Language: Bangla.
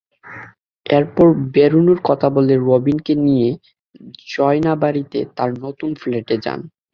এরপর বেড়ানোর কথা বলে রবিনকে নিয়ে জয়নাবাড়িতে তাঁর নতুন ফ্ল্যাটে যান।